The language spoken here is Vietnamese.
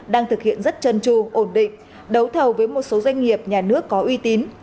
đang thực hiện rất chân tru ổn định đấu thầu với một số doanh nghiệp nhà nước có uy tín